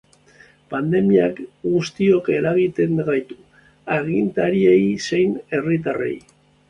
Pandemiak guztiok eragiten gaitu, agintariei zein herritarrei.